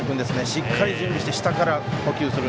しっかり準備して下から捕球する。